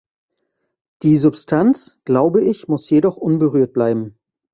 Die Substanz, glaube ich, muss jedoch unberührt bleiben.